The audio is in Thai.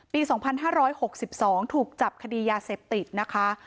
ปีสองพันห้าร้อยหกสิบสองถูกจับคดียาเสพติดนะคะ